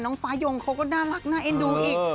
ฟ้ายงเขาก็น่ารักน่าเอ็นดูอีก